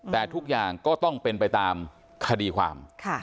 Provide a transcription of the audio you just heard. แต่ทุกอย่างก็ต้องเป็นไปตามคดีความ